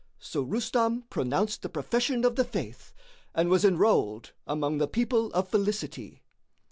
So Rustam pronounced the profession of the Faith and was enrolled among the people of felicity.